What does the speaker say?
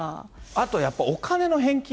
あと、やっぱお金の返金。